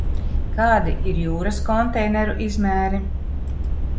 Kādi ir jūras konteineru izmēri?